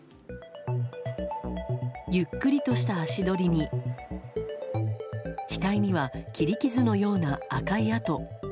ゆっくりとした足取りに額には切り傷のような赤い痕。